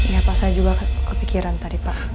ya pak saya juga kepikiran tadi pak